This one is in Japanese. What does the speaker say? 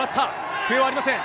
笛はありません。